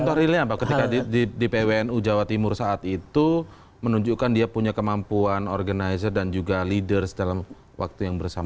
contoh realnya apa ketika di pwnu jawa timur saat itu menunjukkan dia punya kemampuan organizer dan juga leaders dalam waktu yang bersamaan